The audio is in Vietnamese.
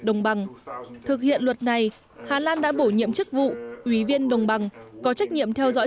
đồng bằng thực hiện luật này hà lan đã bổ nhiệm chức vụ ủy viên đồng bằng có trách nhiệm theo dõi